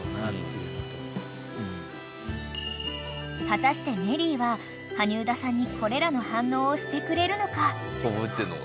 ［果たしてメリーは羽生田さんにこれらの反応をしてくれるのか？］